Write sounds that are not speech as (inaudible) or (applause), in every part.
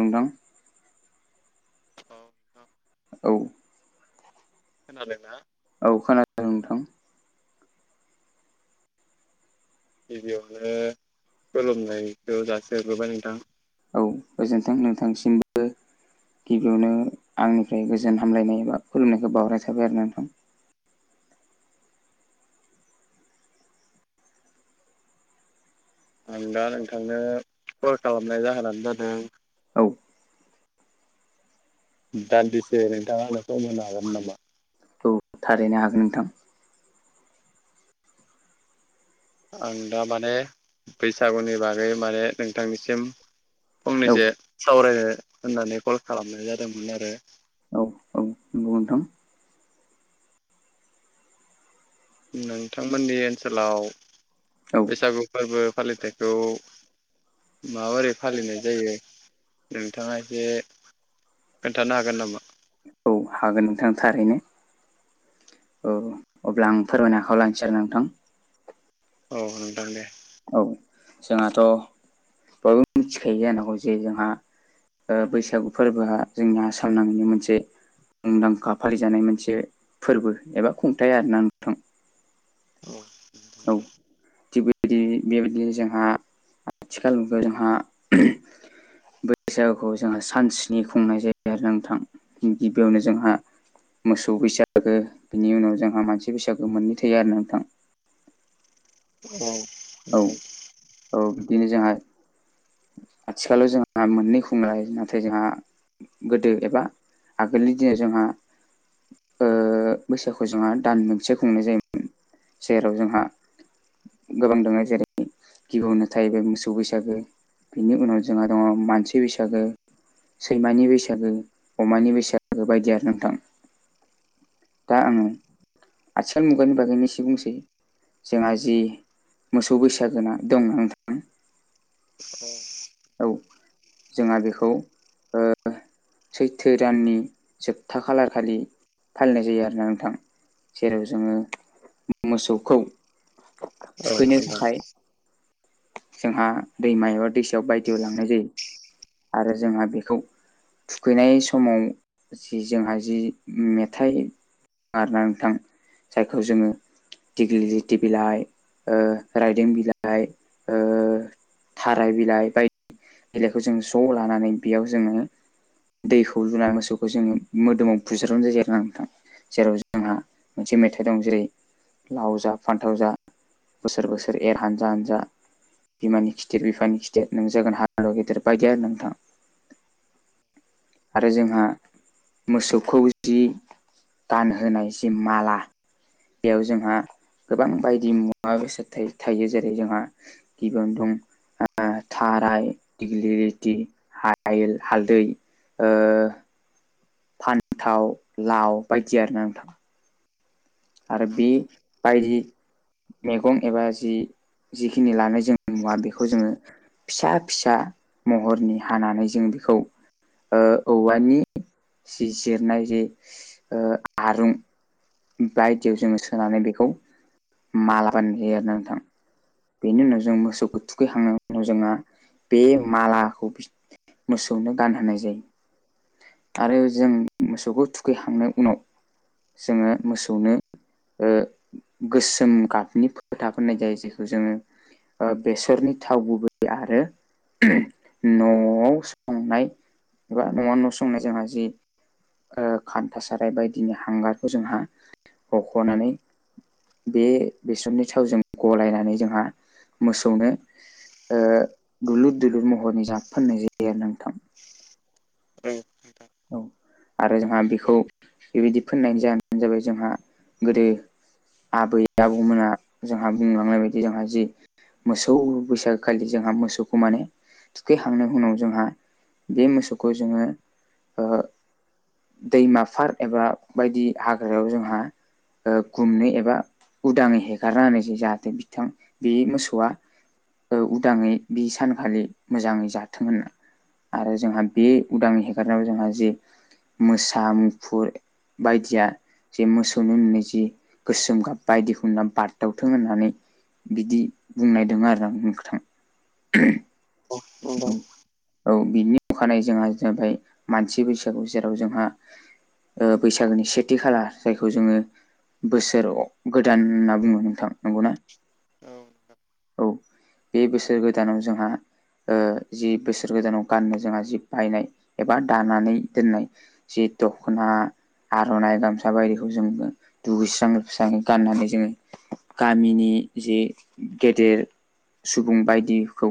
नोंथां। औ नोंथां‌ औ खोनादों ना? औ खोनादों। औ नोंथां। गिबियावनो खुलुमनायखौ जासिहरग्रोबाय नोंथां। गोजोनथों नोंथांसिमबो। गिबियावनो आंनिफ्राय गोजोन हामलायनाय एबा खुलुमनायखौ बावहरनाय थाबाय आरो नोंथां। आं दा नोंथांनो कल खालामनाय जाहोनानो जादों औ। दादिसे नोंथाङा आंनो सम होनो हागोन नामा? औ थारैनो हागोन नोंथां। आं दा माने बैसागुनि बागै माने नोंथांनिसिम औ फंनैसो सावरायनो होननानै कल खालामनाय जादोंमोन आरो। औ औ नंगौ नोंथां। नोंथांमोननि ओनसोलाव औ बैसागु फोरबो फालिथायखौ माबोरै फालिनाय जायो? नोंथाङा एसे खोन्थानो हागोन नामा? औ हागोन नोंथां थारैनो। औ अब्ला आं फोरमायनाखौ लानोसै आरो नोंथां। औ नोंथां दे। औ जोंहाथ' बयबो मिथिखायो जानांगौ जे जोंहा बैसागु फोरबोआ जोंनि आसाम नाङैनो मोनसे मुंदांखा फालिजानाय मोनसे फोरबो एबा खुंथाय आर ना। औ औ थेबो दि बेबायदि जोंहा आथिखालबो जोंहा बैसागुखौ जोंहा सानस्नि खुंनाय जायो आरोना नोंथां गिबियावनो जोंहा मोसौ बैसागो बिनि उनाव जोंहा मानसि बैसागो मोननै थायो आरोना नोंथां। औ। औ नोंथां औ बिदिनो जोंहा आथिखालाव जोंहा मोननै खुंलाय नाथाय जोंहा गोदो एबा आगोलनि दिनाव जोंहा ओ बैसागुखौ जोंहा दान मोनसे खुंनाय जायोमोन। जेराव जोंहा गोबां दोङो जेरै - द गिबियावनो थाहैबाय मोसौ बैसागो बिनि उनाव जोंहा दङ मानसि बैसागो। सैमानि बैसागो अमानि बैसागो बायदि आरोना नोंथां। दा आङो आथिखाल मुगानि बागैनो एसे बुंसै जोंहा जि मोसौ बैसागोना दं नोंथां। औ। औ जोंहा बेखौ ओ सैथो दाननि जोबथा खालार खालि फालिनाय जायो आरोना नोंथां। जेराव जोङो मोसौखौ औ थुखैनो नोंथां। थाखाय जोंहा दैमायाव दैसायाव बायदिआव लांनाय जायो। आरो जोंहा बेखौ थुखैनाय समाव जि जोंहा जि मेथाइ' आरोना नोंथां जायखौ जोङो दिगलि टि बिलाइ ओ रायदों बिलाइ ओ थाराय बिलाइ बायदि बिलाइखौ जों ज' लानानै बेयाव जोङो दैखौ लुना मोसौखौ जोङो मोदोमाव बुजारनाय जायो आरो ना नोंथां। जेराव जोंहा मोनसे मेथाइ दं जेरै लाव जा फान्थाव जा बोसोर बोसोर एर हानजा हानजा बिमानि खिथेर बिफानि खिथेर नों जागोन हालुवा गेदेर बायदि आरोना नोंथां। आरो जोंहा मोसौखौ जि गानहोनाय जि माला बेयाव जोंहा गोबां बायदि मुवा बेसाद थायो थायो जेरै जोंहा गिबियावनो दं। ओ थाराय दिग्लिलिटि हायल हालदै ओ फान्थाव लाव बायदि आरो ना नोंथां। आरो बि बायदि मैगं एबा जि जिखिनि लानाय जों मुवा बेखौ जोंङो फिसा फिसा महरनि हानानै जों बेखौ ओ औवानि सि जिरनाय जे ओ आरुं बायदियाव जोंङो सोनानै बेखौ मालागान होयो आरो ना नोंथां। बेनि उनाव जों मोसौखौ थुखैखांनायनि उनाव जोंहा बे मालाखौ मोसौनो गानहोनाय जायो। आरो जों मोसौखौ थुखैखांनो उनाव जोङो मोसौनो ओ गोसोम गाबनि फोथा फोननाय जायो। जे जोङो ओ बेसरनि थाव' गुबै आरो न'आव संनाय बा न'आव न' संनाय जोंहा जि ओ खान्था साराय बायदिनि हांगारखौ जोंहा हख'नानै बे बिस्रमनि थावजों गलायनानै जोंहा मोसौनो ओ दुलुर दुलुर महरनि जाब फाननाय जायो आरोना नोंथां। औ। औ आरो जोंहा बेखौ बेबायदि फोननाय जानो जाबाय जोंहा गोदो आबै आबौमोनहा जोंहा बुंलांनाय बायदि जोंहा जि मोसौ बैसागोखालि जोंहा मोसौखौ माने थुखैखांनायनि उनाव जोंहा बे मोसौखौ जोंङो दैमा फार एबा बायदि हाग्रायाव जोंहा ओ गुमनो एबा उदाङै हेगारना होननायसै जाहाथे बिथां बे मोसौआ ओ उदाङै बि सानखालि मोजांङै जाथों होनना आरो जोंहा बे उदां हेगारनायाव जोंहा जे मोसा मुफुर बायदिया जे मोसौनो नुनाय जि गोसोम गाब बायदिखौना बारदावथों होननानै बिदि बुंनायदों आरो ना नों थां। (unintelligible) औ बिनि अखानाय जोंहा जाबाय मानसि बैसागु जेराव जोंहा ओ बैसागोनि सेथि खालार जायखौ जोंङो बोसोराव गोदान होनना बुङो नोंथां नंगौना? औ नोंथां। औ बे बोसोर गोदानाव जोंहा ओ जि बोसोर गोदानाव गाननो जोंहा जि बायनाय एबा दानानै दोननाय जि दखना। आर'नाइ गामसा बायदिखौ जोंङ दुगैस्राङैस्राङै गाननानै जोंङो गामिनि जे गेदेर सुबुं बायदिखौ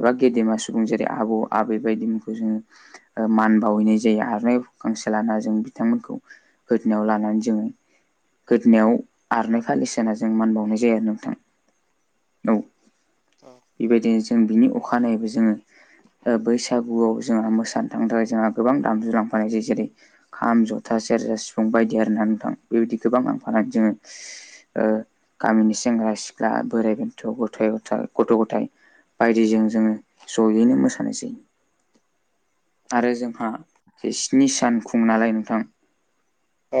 एबा गेदेमा सुबुं जेरै आबौ आबै बायदिमोनखौ जोंङो मान बावहैनाय जायो। आरोनाय गांसे लाना जों बिथांमोनखौ। गोदनायाव लानानै जोंङो। गोदोनायाव आरनाइ फालिसोना जों मान बावनाय जायो आरो नोंथां। औ बेबायदिनो जों बिनि अखानायैबो जोंङो बैसागुआव जोंहा मोसानो थांनो थाखाय जोंहा गोबां दामजु लांफानाय जायो‌‌। जेरै - खाम जथा सेरजा सिफुं बायदि आरोना नोंथां बेबायदि गोबां नांफानानै जोंङो गामिनि सेंग्रा सिख्ला बोराय गथ' गथ ग गथ' गथाय बायदिजों जोंङो जयैनो मोसानाय जायो। आरो जोंहा स्नि सान खुंङो नालाय नोंथां। औ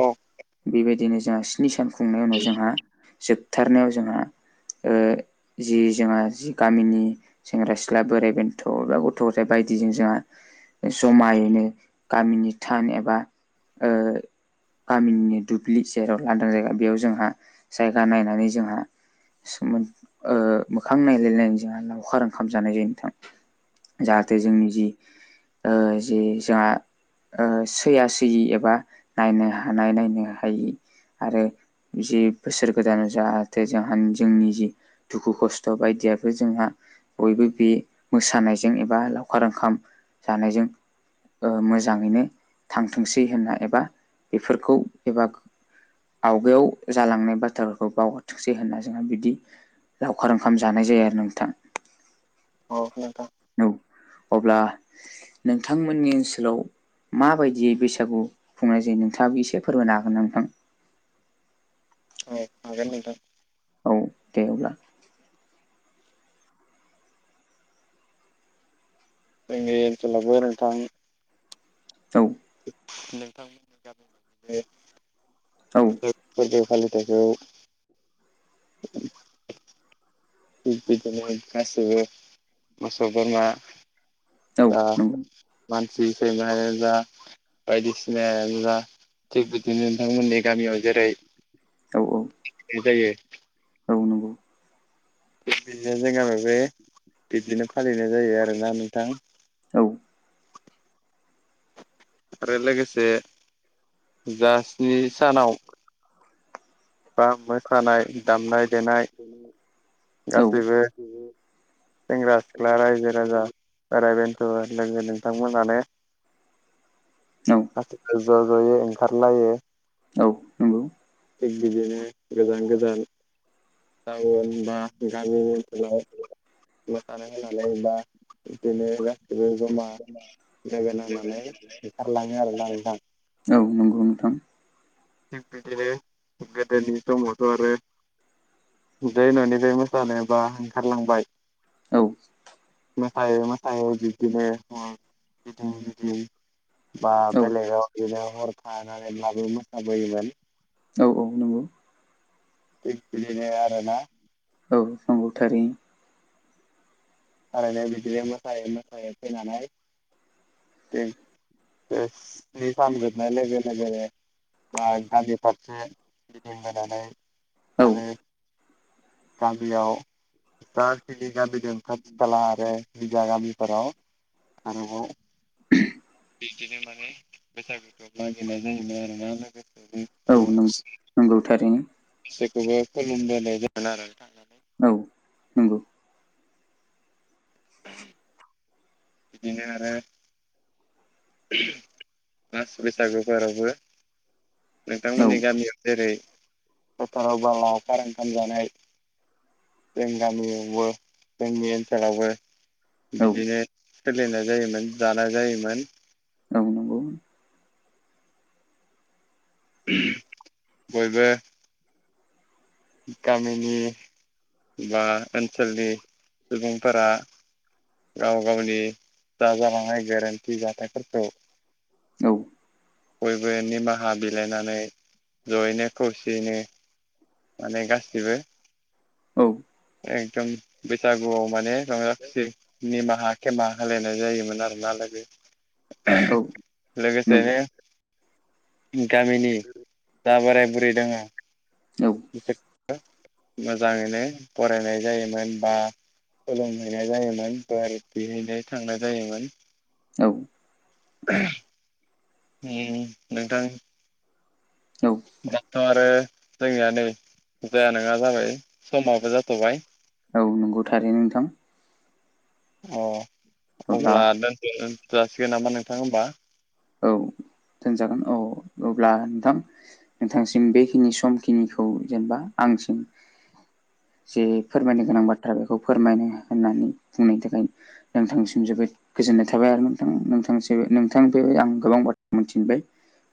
बेबायदिनो जोंहा स्नि सान खुंनाय उनाव जोंहा जोबथारनायाव जोंहा ओ जि जोंहा जि गामिनि सेंग्रा सिख्ला बोराइ बेन्थ' एबा गथ' गथाय बायदिजों जोंहा जमायैनो गामिनि थान एबा गामिनि दुब्लि जेराव लांदां जायगा बेयाव जोंहा जायगा नायनानै जोंहा सोमोन ओ मोखां नायलायनायनि जोंहा लावखार ओंखाम जानाय जायो नोंथां जाहाथे जोंनि जि जे जोंहा ओ सैया सैयि एबा नायनो हानाय नायनो हाय आरो जि बोसोर गोदानाव जाहाथे जों जोंनि जि दुखु खस्थ' बायदियाबो जोंहा बयबो बे मोसानायजों एबा लावखार ओंखाम जानायजों ओ मोजाङैनो थांथोंसै होनना एबा बेफोरखौ एबा आवगायाव जालांनाय बाथ्राफोरखौ बावहरथोंसै होनना जोंहा बिदि लावखार ओंखाम जानाय जायो आरो नोंथां। औ नोंथा औ अब्ला नोंथांमोननि ओनसोलाव माबायदियै बैसागु खुंनाय जायो नोंथाङाबो एसे फोरबोनो हागोन नोंथां? औ आागोन नोंथां। औ दे अब्ला। जोंनि ओनसोलावबो नोंथां औ नोंथांमोननि गामिनि औ बे फोरबो फालिथाइखौ (unintelligible) थिग बिदिनो गासिबो मोसौ बोरमा औ जा नंगौ मानसि (unintelligible) बायदिसिना जा थिग बिदिनो नोंथांमोननि गामियाव जेरै औ (unintelligible) जायो औ नंगौ बिदिनो जोंग बे बिब्दिनो फालिनाय जायो आरोना नोंथां औ आरो लोगोसे जा स्नि सानाव बा मोसानाय दामनाय देनाय औ गासैबो सेंग्रा सिख्ला रायजो राजा बेराय बेन्थ' लोगो नोंथांमोनानो ज' ज'यै ओंखारलायो औ नंगौ थिग बिदिनो गोजान गोजान टाउन बा गामि ओनसोलाव मोसानो नालाय बा बिदिनो गासैबो जमा लोगो नांनानै ओंखारलाङो आरोना नोंथां औ नंगौ नोंथां थिग बिदिनो गोदोनि समावथ' आरो जै न'निफ्राय मोसानोबा ओंखारलांबाय औ मोसायै मोसायै बिदिनो ओ गिदिं गिदिं बा औ बेलेगाव बिदिनो हर थानानैब्लाबो मोसाबोयोमोन औ औ नंगौ बेनो आरो ना औ नंगौ थारैनो थारायनाय बिदिनो मोसायै मोसायै फैनानै दे ओ स्नि सान जोबनाय लोगो लोगोनो बा गामि फारसे गिदिं बोनानै औ आरो गामियाव जााखिनि गामि दं साल आरो बि जाय गामिफोराव आरो (unintelligible) बिदिनो माने बैसागुखौ मागिरनाय जायोमोन आरोना लोगोफोर (unintelligible) नोंगौ थारैनो जेखौबो खुलुमबोनाय जागोन आरो नोंथां औ नंगौ (unintelligible) बिदिनो आरो (unintelligible) बैसागु फोरावबो औ नोंथांमोननि गामियाव जेरै पथाराव बाला लावखार ओंखाम जानाय जों गामियावबो जोंनि ओनसोलावबो औ बिदिनो सोलिनाय जायोमोन जानाय जायोमोन औ नंगौ (unintelligible) बयबो गामिनि बा ओनसोलनि सुबुंफोरा गाव गावनि जाजालांनाय गोरोनथि जाथायफोरखौ औ बयबो निमाहा बिलाइनानै जयैनो खौसेयैनो माने गासिबो औ एकदम बैसागुआव माने रंजा खुसि निमाहा केेमा होलायनाय जायोमोन आरो नालाग औ नंगौ लोगोसेनो गामिनि जा बोराय बुरै दङ औ बिसोर मोजाङैनो फरायनाय जायोमोन बा फोरोंहैनाय जायोमोन बा बेहैनो थांनाय जायोमोन औ (unintelligible) ओम नोंथां औ दाथ' आरो जोंनिया नै जाया नङा जाबाय समाबो जाथ'बाय औ नंगौ थारै नोंथां। अ अब्ला दोन जासिगोन नामा नोंथां होमबा औ दोनजागोन औ अब्ला नोंथां। नोंथांसिम बेखिनि समखिनिखौ जेनेबा आंसिम जे फोरमायनो गोनां बाथ्रा बेखौ फोरमायनो होननानै बुंनायनि थाखाय नोंथांसिम जोबोद गोजोननाय थाबाय आरो नोंथां नोंथां नोंथां। आं गोबां बाथ्रा मिथिनबाय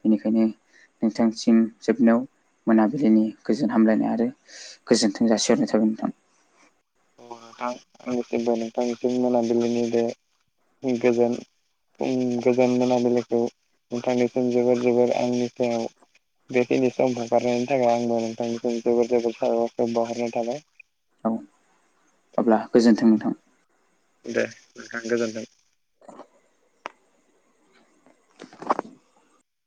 बेनिखायनो नोंथांसिम जोबनायाव मोनाबिलिनि गोजोन हामलायनाय आरो गोजोन्थों जासिहरनाय थाबाय नोंथां नोंथां नोंथांनिसिम मोनाबिलिनि बे गोजोन गोजान मोनाबिलिखौ नोंथांनिसिम जोबोर जोबोर आंनि सायाव बेखिनि सम हगारनायनि थाखाय आंबो नोंथांनिसिम जोबोर जोबोर साबर बावहरनाय थाबाय औ अब्ला गोजोन्थों नोंथां दे नोंथां गोजोनथों